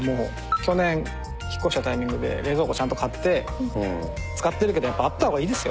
去年引っ越したタイミングで冷蔵庫ちゃんと買って使ってるけどやっぱあったほうがいいですよ。